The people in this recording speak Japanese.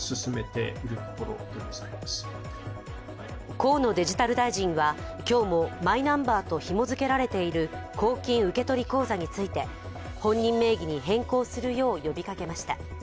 河野デジタル大臣は今日もマイナンバーとひも付けられている公金受取口座について本人名義に変更するよう呼びかけました。